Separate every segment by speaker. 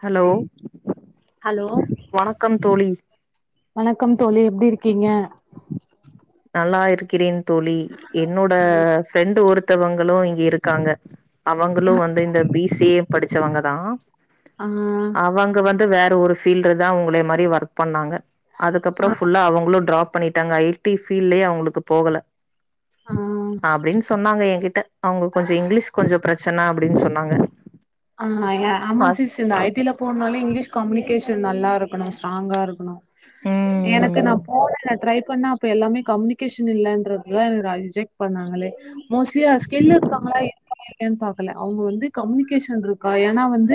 Speaker 1: Hello
Speaker 2: hello
Speaker 1: வணக்கம் தோழி
Speaker 2: வணக்கம் தோழி எப்டி இருக்கீங்க
Speaker 1: நல்லா இருக்கிறேன் தோழி என்னோட ஃப்ரெண்டு ஒரு த்தவங்களு இங்க இருக்காங்க அவங்களு வந்து இந்த பி சேம் படிச்சவங்க தா
Speaker 2: ஆ
Speaker 1: அவங்க வந் ட்டு வேற ஒரு ஃபீல்டு தா உங்களே மாரி ஒர்க் பண்ணாங்க அதுக்கப்புறோ ஃபுள்ளா அவங்களு ட்ராப் பண்ணிட்டாங்க ஃபீல்லயே அவங்களுக்கு போகல
Speaker 2: ஆ
Speaker 1: அப்டின்னு சொன்னாங்க என்கிட்ட அவங்க கொஞ்சோ இங்கிலீஷ் கொஞ்சோ பிரச் சன்ன அப்டின் சொன்னாங்க
Speaker 2: ஆ ய ஆமா சிஸ் இந்த ஐ டி ல போன்னாலே இங்கிலீஷ் கம்யுன் கேஷன் நல்லா இருக்கணு ஸ்ட்ராங்கா இருக்கணு எனக்கு
Speaker 1: ம்
Speaker 2: நா போனே ட்ரை பண்ணா அப்ப எல்லாமே கம்யூனிகேஷன் இல்லன்றதுதா என்ன ரிஜக்ட் பண்ணாங்களே மோஸ்ட்லி ஸ்கில் இருக்கவுங்களா இருக்காங்களா இல்லையா பாக்கல அவுங்க வந்து கம்யுன்க் கேஷன்ட்ரு கா ஏன்னா வந்து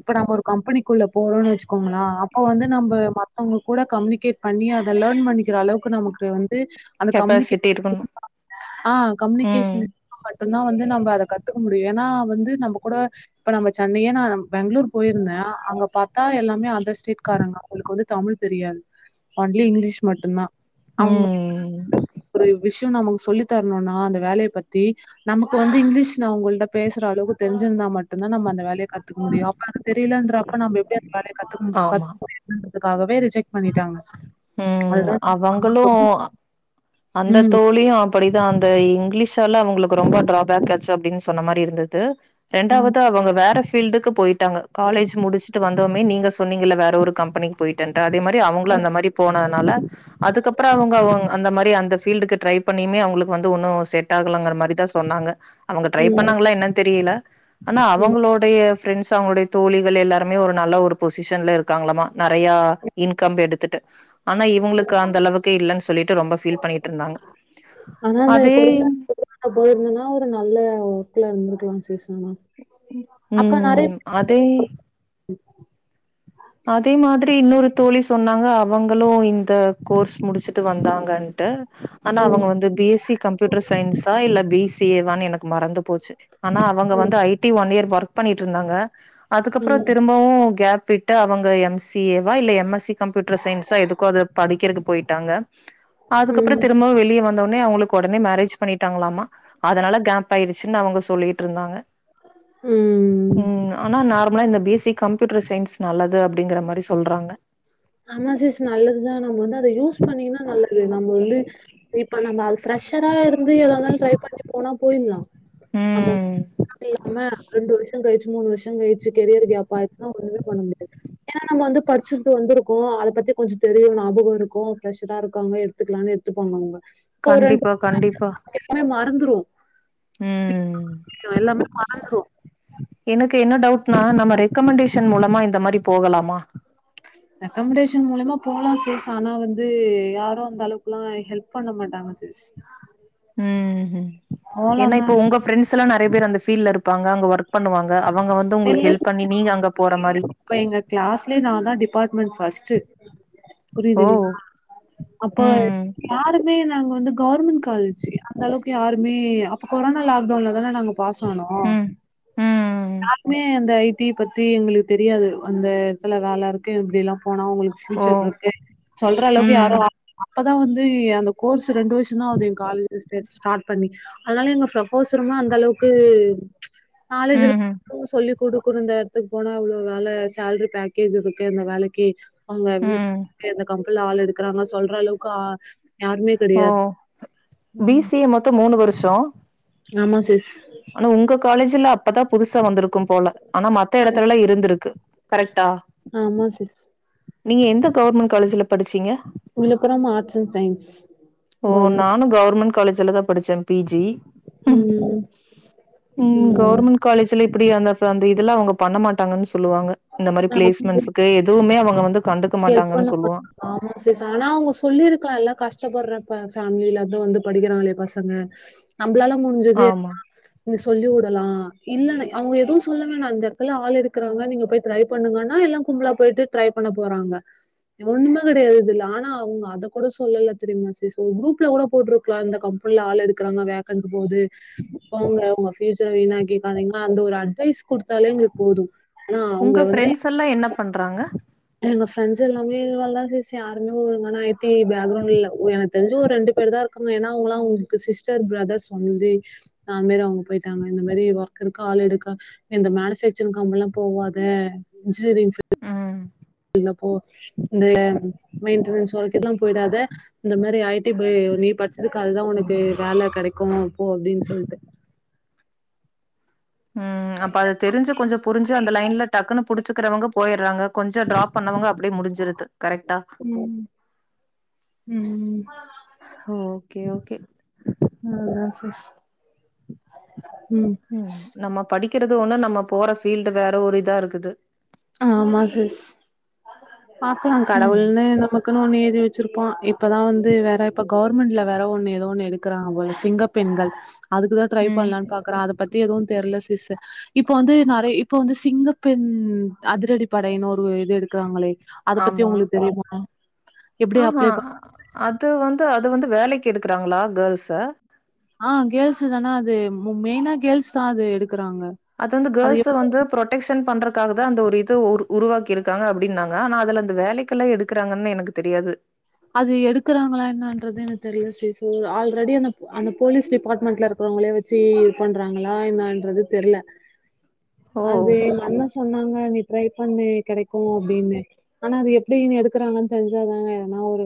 Speaker 2: இப்ப நம்ம ஒரு கம்பெனிக்குள்ள போறோன்னு வச்சுக்கோங்களே அப்ப வந்து நம்ம மத்தவங்க கூட கம்யூனிகேட் பண்ணி அத லேர்ன் பண்ணிக்கிற அளவுக்கு நமக்கு வந் து அந்த
Speaker 1: கெப்பாசிட்டி
Speaker 2: கம்யூனிகேஷன்
Speaker 1: இருக்கணு
Speaker 2: இருந்தா
Speaker 1: ம்
Speaker 2: ஆஹ் மட்டுந்தா வந்து நம்ம அது கத்துக்க முடியு ஏன்னா வந்து நம்ம கூட இப்ப நம்ம சென்னையே நான் பெங்களூர் போயிருந்தே அங்க பாத்தா எல்லாமே அதர் ஸ்டேட்காரங்க அவ்ங்ளுக்கு வந்து தமிழ் தெரியாது ஒன்லி இங்கிலீஷ் மட்டுந்தா அவங்க
Speaker 1: ம்
Speaker 2: ஒரு விஷ் ட்டு நமக்கு சொல்லித்தரணுனா அந்த வேலைய பத்தி நமக்கு வந்து இங்கிலீஷ் நா உங்கள்ட்ட பேசற அளவு தெரிஞ்சிருந்தா மட் டுந்தா நம்ம அந்த வேலைய கத்திக்க முடியு அப்ப அது தெரியலன்றப்ப நம்ம எப்டி அந்த வேலைய கத்துக்க மு
Speaker 1: ஆமா
Speaker 2: [unintelligible] அதுக்காகவே ரிஜெக்ட் பண்ணிட்டாங்க
Speaker 1: உம்
Speaker 2: அதுதான்
Speaker 1: அவங்களூ அந்த
Speaker 2: ம்
Speaker 1: தோழியு அப்டி தா அந்த இங்கிலீஷால அவங்களுக்கு ரொம்ப டிராபேக் ஆச்சு அப்டின் சொன்ன மாதிரி இருந்திது
Speaker 2: ம்.
Speaker 1: ரெண்டாவது அவங்க வேற ஃப் ஃபீல்டுக்கு போய்ட்டாங்க காலேஜ் முடிச்சிட்டு வந்தவமே நீங்க சொன்னீங்கல்ல வேற ஒரு கம்பெனிக்கு போய்டன்ட்டா அதே மாற் [unintelligible] அவுங்களூ அந்த மாரி போனதுனால அதுக்கப்றோ அவுங்கவுங் அந்த மாறி அப்டி அந்த ஃபீல்டுக்கு ட்ரை பண்ணியுமே அவுங்ளுக்கு வந்து ஒன்னூ செட் ட்டாகலங்கற மாரி தா சொன்னாங்க அவங்க ட்ரை
Speaker 2: ம்
Speaker 1: பண்ணாங்ளா என்னன் தெரில ஆனா
Speaker 2: ம்.
Speaker 1: அவங்ளொடைய ஃப்ரெண்ட்ஸ் அவங்களுடைய தோழிகள் எல்லாருமே ஒரு நல்ல ஒரு பொசிஷன்ல இருக்காங்ளாமா நெறையா இன்கம் எடுத்திட்டு ஆனா இவுங்ளுக்கு அந்த அளவுக்கு இல்லன் சொல்லிட்டு ரொம்ப ஃபீ
Speaker 2: ஆனா இந்த கொரனா போயிருந்தன்னா ஒரு நல்ல ஒர்க்ல இருந்திருக்கலாம் சிஸ் ம்
Speaker 1: உம் அதே அதே மாதிரி இன்னொரு தோழி சொன்னாங்க அவங்களும் இந்த கோர்ஸ் முடிச்சுட்டு வந்தாங்கன்ட்டு ஆனா
Speaker 2: ம்,
Speaker 1: அவங்க வந்து பி எஸ் சி கம்ப்யூட்டர் சயின்ஸா இல்ல பி சி ஏ வான்னு எனக்கு மறந்து போச்சு ஆனா அவங்க
Speaker 2: ம்,
Speaker 1: வந்து I T one year work பண்ணிட்ருந்தாங்க அதுக்கப்பறம்
Speaker 2: ம்,
Speaker 1: திரும்பவும் கேப் ட அவங்க எம் சி ஏ வா இல்ல எம் எஸ் சி கம்ப்யூட்டர் சயின்ஸோ எதுக்கோ அத படிக்கிறக்கு போயிட்டாங்க அதுக்கப்பறம்
Speaker 2: ம்,
Speaker 1: திரும்பவும் வெளியே வந்தோன னே அவுங்களுக்கு உடனே மேரேஜ் பண்ணிட்டாங்களாமா அதுனால கேப் ஆயடுச்சுன்னு அவங்க சொல்லிட்டுருந்தாங்க
Speaker 2: ம்.
Speaker 1: உம் ஆனா நார் ம இந்த B S C computer science நல்லது அப்டிங்கற மாரி சொல்றாங்க
Speaker 2: ஆமா சிஸ் நல்லதுதான் நம்ம வந்து அதை யூஸ் பண்ணீங்ன்னா நல்லது நம்ம வந்து இப்ப நம்ம அது ஃப்ரெஷரா இருந்து ஏதனாலும் ட்ரை பண்ணி போனா போயிலாம் ஆம
Speaker 1: ம்
Speaker 2: அதுல்லாம ரெண்டு வருஷ கழிச் மூணு வருஷ கழிச்சு கெரியர் கேப் ஆயிருச்னா ஒண்ணுமே பண்ண முடியாது ஏன்னா நம் வந்து படிச்சுட்டு வந்துரு ஓ அத பத்தி கொஞ்ச தெரியும் ஞாபகருக்கும் ஃப்ரெஷரா இதாருக்காங்க எடுத்துக்லானு எடுத்துப்பாங்க அவுங்க
Speaker 1: கண்டிப்பா கண்டிப்பா
Speaker 2: நடந்துரு
Speaker 1: ம்
Speaker 2: திக் எல்லாமே மறந்துரும்
Speaker 1: கு என டவுட்னா நம ரெ கமெண்டேஷன் மூலமா இந்த மாரி போகலாமா
Speaker 2: ரேகமடஷன் மூலமா போலா சிஸ் ஆனா வந்து யாரும் அந்த அளவுக்குலாம் ஹெல்ப் பண்ண மாட்டாங் சிஸ்
Speaker 1: ஏன
Speaker 2: போலாந்தா
Speaker 1: இப்ப உங்க ஃப்ரண்டஸ்லாம் நிறய பேர் அந்த பீல்டல இரு பாங்க அங்க ஒர்க் பண்ணுவாங்க அவ் ங்க வந்து
Speaker 2: இல்ல
Speaker 1: உங்களுக்கு ஹெல்ப் பண்ணி நீங்க அங்கப்
Speaker 2: இப்ப எங்க கிளாஸ்ல ந தான் டிபார்ட்மென் ஃபர்ஸ்ட்
Speaker 1: ஓ
Speaker 2: புரியுதுங்களா அப்ப
Speaker 1: ம்
Speaker 2: யாருமே நாங்க வந்து கவர்மெண்ட் காலேஜ் அந்த அவுக்கு யாருமே அப்ப கொரோனா லாக்டவுல தான நாங்க பாசனோ
Speaker 1: ம் ம்
Speaker 2: யாருமே அந்த ஐ டி ய பத்தி எங்களுக்கு தெரியாது அந்த இடத்துல வேல இருக்கும் எப்டி லாம் போனா உங்களுக்கு
Speaker 1: ஓ
Speaker 2: பியூச்சர் இருக்கு சொல்றளவுக்கு
Speaker 1: ம்
Speaker 2: யாரும் அப்பதா வந்து அந்த கோர்ஸ் ரெண்டு வருஷதாகுது ஏன் கால ஸ்டார்ட் பண்ணி அதுனால எங்க பரபோசர் அந்த அளவுக்கு நாலேஜ் இருக்க
Speaker 1: ம்
Speaker 2: சொல்லி கொடுக்குணும் இந்த இடத்துக்கு போனா அவளவு வேல சேலரி பேக்கேஜ் இருக்கு அந்த வேலைக்கு அங்க
Speaker 1: ம்
Speaker 2: [unintelligible] எந்த கம் உள்ள ஆள் எடுக்றாங்க சொல்றளவுக்கு அ
Speaker 1: ஓ பி சி ஏ மொத்த மூணு வருஷ் சோ
Speaker 2: ஆமா சிஸ்
Speaker 1: ஆனா உங்க காலேஜ்ல அப் ப்பதான் புதுசா வந்திருக் க்கும் போல ஆனா மத்த இடத்துலலா இருந்துருக்கு கரெக்டா
Speaker 2: ஆமா சிஸ்
Speaker 1: நீங்க எந்த கவர்மெண்ட் காலேஜ்ல படிச்சீங்க
Speaker 2: Villupuram arts and science government
Speaker 1: இதுலதா படிச்சே பி ஜி உம்
Speaker 2: ம்
Speaker 1: உம்
Speaker 2: ம்
Speaker 1: கவர்மென்ட் காலேஜ்ல அப்படி அந்த ச அந்த இதுல அவங்க பண்ண மாட்டாங்கன்னு சொல்லுவாங்க இந்த மாரி பிளேஸ்மெண்ட்ஸ்கு எதுவுமே அவங்க வந்
Speaker 2: ஹெல்பண்ணமாட்டாங்க ஆமா சிஸ் ஆனா அவங்க சொல்லிருக்கலான்ல கஷ் கஷ்டப்படுற ஃபே ஃபேமிலிலருந்து வந்து படிக்கிறாங்களே பசங்க நம்பளாலா முடிஞ்சது
Speaker 1: ஆமா
Speaker 2: சொல்லி வுடலாம் இல்லண்ண அவங்க எதுவும் சொல்லவேன்னா இந்த எடத்துல ஆள் எடுக்குறாங்க நீங்க போயி ட்ரை பண்ணுங்கனா எல்லாம் கும்பலா போயிட்டு ட்ரை பண்ண போறாங்க ஒண்ணுமே கெடையாது இதுல ஆனா அவங்க அத கூட சொல்லல தெரியுமா சிஸ் ஒரு குரூப்ல கூட போட்டுருக்கலாம் இந்த கம்பெனில ஆள் எடுக்கிறாங்க வேகன்ட் போது போங்க உங்க ஃப்யூச்சர வீணாக்கிக்காதீங்க அந்த ஒரு அட்வைஸ் குடுத்தாலே எங்களுக்கு போதும்
Speaker 1: உங்க ஃப்ரெண்ட்ஸ் எல்லாம் என்னப் பண்றாங்க
Speaker 2: எங்க ஃப்ரெண்டஸ் எல்லாமே இவள்தான் சிஸ் யாருமே ஒழுங்கான ஐ டி ஐ பேக்ரவுண்ட் இல்ல எனக்கு தெரிஞ்சு ஒரு ரெண்டு பேர்தா இருக்காங்க ஏன்னா அவங்களா அவங்களுக்கு சிஸ்டர் பிரதர்ஸ் ஒன்லி அந்தமேரி அவுங்க போயிட்டாங்க இந்த மாரி ஒர்க் இருக்க ஆள் எடுக்க இந்த மேனுபேக்சரிங் கம்பனில்லா போவாத இன்ஜினியரிங்
Speaker 1: ஏ
Speaker 2: இல்லப்போ இந்த மெயின்டனன்ஸ் ஒர்க்குகேல்லா பொய்டாத இந்த மாரி ஐ டி பே நீ படிச்சதுக்கு அதுதா உனக்கு வேல கெடைக்கும் போ அப்டின் சொல்ட்டு
Speaker 1: ஏ அப்ப அது தெரிஞ்ச கொஞ்ச புரிஞ்சு அந்த லைன்ல டக்குன்னு புடிச்சிக்கிறவங்க போயிறாங்க கொஞ்சம் ட்ரா பண்ணவங்க அப்டி முடிஞ்சிருது கரெக்டா
Speaker 2: ம் ம்
Speaker 1: ஓகே ஓகே
Speaker 2: ஆ ஆ சிஸ்
Speaker 1: ம் நம்ம படிக்கிறது ஒண்ணு நம்ம போற ஃபீல்டு வேற ஒரு இதா இருக்குது
Speaker 2: ஆமா சிஸ் பாக்கலா
Speaker 1: ம்
Speaker 2: கடவுள்னு நமக்குன்னு ஒன்னு எழுதி வச் ச்சிருப்பா இப்பதா வந்து வேற இப்ப கவ்ர்மெண்ட்ல வேற ஒண்ணு ஏதோ ஒண்ணு எடுக்குறாங்க போல சிங்கப்பெண்கள் அதுக்குதா ட்ரை
Speaker 1: ம்
Speaker 2: பன்லான் பாக்குற அத பத்தி எதுவு தெர்ல சிஸ்சு இப்போ வந்து நெறை இப்ப வந்து சிங்கப்பெண் அதிரடிப்படைன்னு ஒரு இது எடுக்குறாங்களே அத பத்தி
Speaker 1: ஆமா
Speaker 2: உங்களுக்கு தெரியுமா எப்டி
Speaker 1: ஆஹா
Speaker 2: அப்ளை பண்
Speaker 1: அது வந் து அது வந்து வேலைக்கு எடுக்குறாங்களா கேர்ள்ஸ்ச
Speaker 2: ஆ கேள்ஸ் தானா அது மெய்னா கேர்ள்ஸ் தா அது எடு
Speaker 1: அது வந்து கேள்ஸ் வந்து பு்ரொடெக்ஷன் பண்றக்காக தா அந்த ஒரு இது ஒரு உருவாக்கி இருக்காங்க அப்டின்னாங்க ஆனா அதுல அந்த வேலை
Speaker 2: அது எடுக்குறாங்களா என்னான்றது எனக்கு தெரில சி கேஸு ஆல்ரடி அனப் அந்ந போலீஸ் டிபாட்மெண்ட்ல இருக்றவங்ளே வச்சி இத் பண்றாங்களா என்னா அண்றது தெரியல என்னா அன்றது
Speaker 1: ஓ
Speaker 2: தெர்ருல அதே எங்கண்ண சொன்னாங் அ நீ ட்ரை பண்ணு கேடைக்கு அப்டின்னு ஆனா அது எப் ப்டினு எடுக்கறாங்கன் தெஞ்சாதானே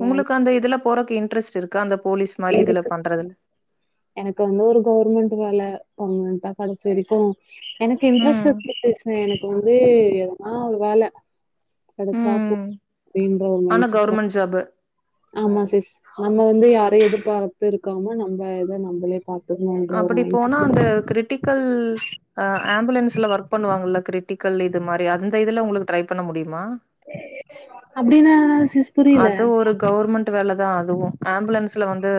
Speaker 1: உங்குளுக்கு அந்த இதுலப் போறக்கு இன்ட்ரஸ்ட் இர்க்கா அந்தப்
Speaker 2: இருக்கு எனக் வந்து ஒரு கௌர்மெண்ட் வேல வாங்கணுன் தா கன்சி வரிக்கு எனக்கு இன்ட்ரஸ்
Speaker 1: ம்
Speaker 2: இர்க்கு சிஸ்னே எனக் வந்தே எது னாவ் வேல கெடச்சா போ
Speaker 1: ம்
Speaker 2: பீன்ற ஒரு
Speaker 1: ஆனா
Speaker 2: மைண்செட்ல
Speaker 1: கவர்மெண்ட் ஜாப்
Speaker 2: ஆமா சிஸ் நம்ம வந்து யாரையு எதிர்பார்த்திருக்கமா நம்ப இத நம்பளே பாத்
Speaker 1: அப்படி போனா அந்த க்ரிட்டிக்கல் அ ஆம்புலன்ஸ்ல வர்க் பண்ணுவாங்கல்ல க்ரிட்டிக்கல் இது மாரி அந்த இதுல உங்குளுக்கு ட்ரை பண்ண முடியுமா
Speaker 2: அப்டினானா சிஸ் புரில
Speaker 1: தா அதுவு ஆம்புலன்ஸ்ல வந்து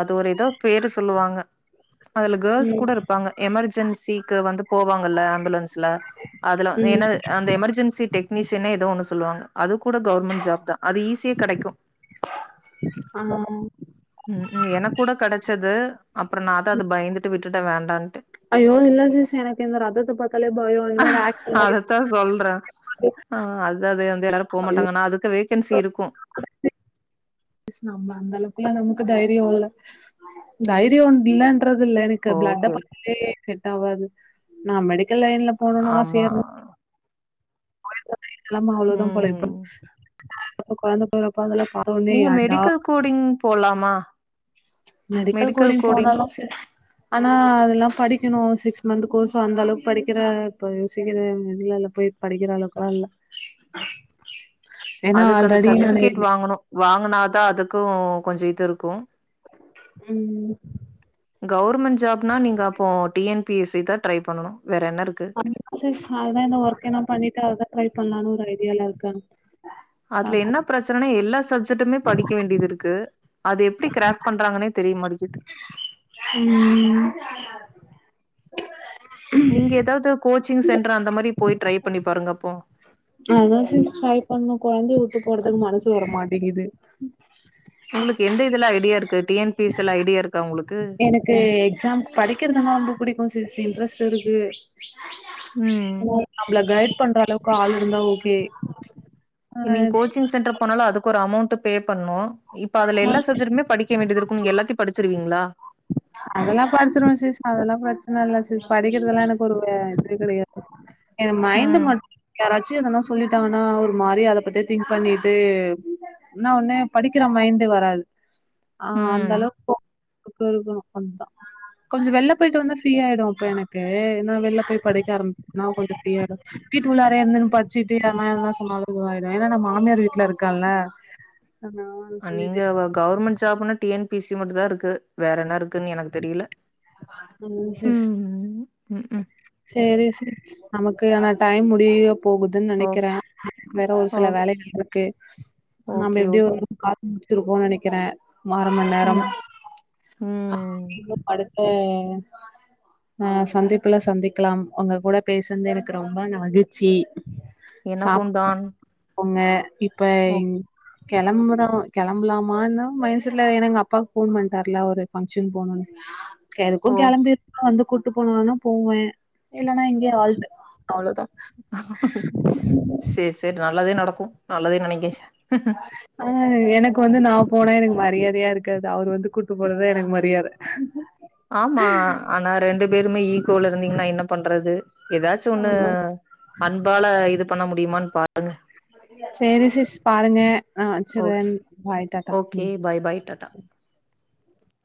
Speaker 1: அது ஒரு இதோ பேரு சொல்லுவாங்க அதுல கேர்ள்ஸ்
Speaker 2: ம்
Speaker 1: கூட இருப்பாங்க எமர்ஜென்சிக்கு வந்து போவாங்கல்ல ன்ச்சுல அதுல
Speaker 2: ம்
Speaker 1: என்ன அந்த எமெர்ஜென்சி டெக் னிஷியனா எதோ ஒன்னு சொல்லுவாங்க அது கூட கவ்ர்மெண்ட் ஜாப் தா அது ஈஸியா கெடைக்கு
Speaker 2: ஆ
Speaker 1: உம் உம் எனக் கூட கடச்சது அப் ப்ற நா தா அத பயந்துட்டு விட்டுட்டே வேண்டான்ட்டு
Speaker 2: ஐயோ இல்ல சிஸ் எனக்கு இந்த ரத்தத்த பாத் தாலே பய இந்த மாரி ஆக்சிடெண்ட் ஆயி
Speaker 1: ஆஹ் அதாதே எல்லாரு போ
Speaker 2: ஆயி
Speaker 1: மாட்டாங்க ஆனா அதுக்கு வே ஹென்சி இருக்கு
Speaker 2: மிஸ் நம்ல அந்த அளவுக்குல நமக்கு தைரியோ இல்ல தைரியோன் இல்லன் ன்றதுல்ல எனக்கு பிளண்ட
Speaker 1: ஓகே.
Speaker 2: [inaudible] செட் ஆவாது நாம்படுக் இல்ல இல்ல போணுன்னு ஆச
Speaker 1: ஆமா.
Speaker 2: எதுவு நம்ம அவ்ளோதா போல இப்ப
Speaker 1: ம்.
Speaker 2: நம்ம கொழந்தப்
Speaker 1: நீங்க மெடிக்கல் கோடிங் போலாமா
Speaker 2: மெடிக்கல் கோடிங் போனாலு சிஸ் ஆனா அதெல்லா படிக்கணு சிக்ஸ் மந்த்து கோர்ஸு அந்த அளவுக்கு படிக்கிற இப்ப யோசிக்வே இந்த இதுலலா போயி படிக்கிற அளவுக்குலா இல்ல ஏன்னா
Speaker 1: அதுக்கு அந்த
Speaker 2: ஆல்ரெடி நானு
Speaker 1: சர்ட்டிஃபிகேட் வாங்கணு வாங்குனாதா அதுக்கு கொஞ்ச இது இருக்கு
Speaker 2: உம்
Speaker 1: கவ்ர்மெண் ஜாப்னா நீங்க அப்போ T N P S C தா ட்ரை பண்ணணு
Speaker 2: [inaudible] சிஸ் அதுதா இந்த ஒர்க்கெனா பண்ணிட்டு அதா ட்ரை பண்லானு ஒரு ஐடியால இருக்க
Speaker 1: அதுல என்ன பிரச்சனனா எல்லாஸ் சட்டமே படிக்க வேண்டியது இருக்கு அது எப்டி கிராக் பண்றாங்கன்னே தெரியமாட்டிக்குது
Speaker 2: உம்
Speaker 1: நீங்க எதாவ்து கோச் சிங் சென்ட்ரு அந்த மாரி போய் ட்ரை பண்ணி பாருங்க அப்போ
Speaker 2: அதா சிஸ் ட்ரை பண்ணே கொழந்தைய விட்டு போறதுக்கு மனசு வர மாட்டிங்கிது
Speaker 1: உங்களுக்கு எந்த இதுல ஐடியா இருக்கு டி என் பி எஸ் ல ஐடியாருக்
Speaker 2: எனக்கு எக்ஸாம் படிக்கிறதுனா ரொம்ப புடிக்கு சிஸ் இன்ட்ரஸ்ட் இருக்கு
Speaker 1: ம்
Speaker 2: உங் நம்மள கைய்ட் பண்ற அளவுக்கு பால் இருந்தா ஓக்
Speaker 1: நீங் கோச்சிங் சென்டர் போனாலு அதுக் கொரு அமௌண்டு பே பண்ணோ இப்ப அதுல எல்லா சப்ஜட்மே படி கேவேண்டியது இருக்கு நீங்க எல்லாத்தியு படிச்சுருவீங்களா
Speaker 2: அதெல்லா படிச்சிருவ சிஸ் அதெல்லா பிரச்சன இல்ல சிஸ் படிக்குறதுதெல்லா எனக் ஒருவ இதுவே கெடையாது எ மைண்டு
Speaker 1: ம்
Speaker 2: மட் யாராச் சு எதானா சொல்லிட்டாங்கன்னா ஒரு மாறியா அத பத்தே திங்க் பண்ணிடு இன்னா ஒண்ணு படிக்கிற மைண்டு வராது ஆஹ் அந்த
Speaker 1: ம்
Speaker 2: அளவுக்கு அப்டியே எழுதணு அப்தா கொஞ்சொ வெல்லா போயிட்டு வந்து ஃப்ரீயாடு அப்ப எனக்கு நா வெல்லா போய் படிக்க ஆரம்பிச்சனா கொஞ்சொ ஃப்ரீயாயிடு வீட்டு உள்ளாரே இருந்துன்னு படிச்சிடு எவ என்னா சொன்னாலு இது ஆயிடுவே ஏன்னா மாமியார் வீட்ல இருக்கல்ல
Speaker 1: நீங்க வ கவர்மெண்ட் ஜாப்னா டி என் பி சி இது மட்டு தா இருக்கு வேற என்ன இருக்குனு எனக்கு தெரில
Speaker 2: செரிங்க் சிஸ்
Speaker 1: ம் ம்
Speaker 2: செரி சிஸ் நமக்கு ஆனா டைம் முடியோ போகுது
Speaker 1: ஓ
Speaker 2: நெனைக்குற வேற ஒரு சில
Speaker 1: ஓகே
Speaker 2: வேலைகள் இருக்கு நாம
Speaker 1: ஓகே
Speaker 2: எப்டி ஒரு
Speaker 1: ஓகே
Speaker 2: [inaudible] திரும்பவு நெனக்கிறே மார மன் நேரம்
Speaker 1: ம்
Speaker 2: ஹா
Speaker 1: ம்
Speaker 2: இன்னு அடுத்த ஆஹ் சந்திப்புல சந்திக்கலாம் ஒங்க கூட பேசந்து எனக்கு ரொம்ப மகிழ்ச்சி சாப்
Speaker 1: எனக்கும் தான்
Speaker 2: பங்க இப்ப
Speaker 1: ஓ
Speaker 2: இங் கெளம்புறோ கெளம்பலாமானு மைன்சுல எனா எங்க அப்பாக்கு போ மாட்டார்ல அவ்ரு ஃபங் ஷன் போனுனு எதுக்கு
Speaker 1: ஓ
Speaker 2: கெளம்பிரோ வந்து கூட் ட்டு போனார்னா போவே இல்லன்னா இங்கே ஆல்டு அவ்வளதா
Speaker 1: செர் செர் நல்லதே நடக் க்கு நல்லதே நெனைங்க
Speaker 2: ஆஹ் எனக்கு வந்து நா போனா எனக்கு மரியாதையா இருக் காது அவர் வந்து கூட்டு போனதா எனக்கு மரியாத
Speaker 1: ஆமா ஆனா ரெண்டு பேறும இக் தோழர் நீங்கன்னா என்ன பண்றது ஏதாச்சு ஒண்ணு
Speaker 2: ஆமா
Speaker 1: அன்பால இது பண்ண முடியுமான் பாறுங்கஹ்
Speaker 2: செரி சிஸ் பாருங்க ஆஹ்
Speaker 1: ஓகே
Speaker 2: வெச்சுறேன் பாய் டாடா
Speaker 1: ஓகே
Speaker 2: உம்
Speaker 1: பாய் பாய் டாடா